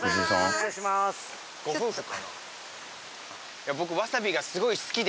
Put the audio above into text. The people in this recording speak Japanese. ご夫婦かな？